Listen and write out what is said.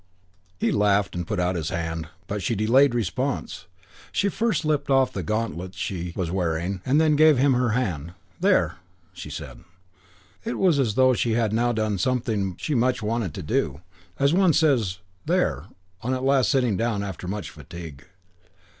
He laughed and put out his hand. But she delayed response; she first slipped off the gauntlets she was wearing and then gave him her hand. "There!" she said. "There!" It was as though she had now done something she much wanted to do; as one says "There!" on at last sitting down after much fatigue.